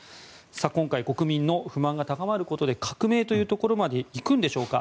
今回、国民の不満が高まることで革命というところまで行くんでしょうか。